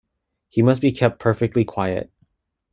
He must be kept perfectly quiet.